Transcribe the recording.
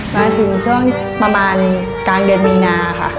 มาถึงช่วงประมาณกลางเดือนมีนาค่ะ